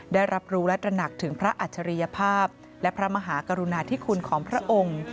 ได้รับรู้และตระหนักถึงพระอัจฉริยภาพและพระมหากรุณาธิคุณของพระองค์